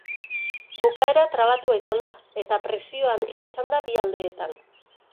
Bukaera trabatua izan da, eta presio handia izan da bi aldeetan.